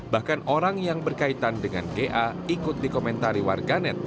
bahkan orang yang berkaitan dengan ga ikut dikomentari warganet